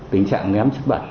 tình trạng ném chất bẩn